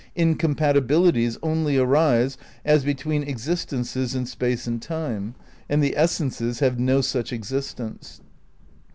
Incompatibilities only arise as between existences in space and time, and the essences have no such existence.